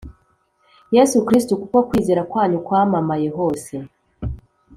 Yesu Kristo kuko kwizera kwanyu kwamamaye hose